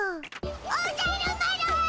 おじゃる丸！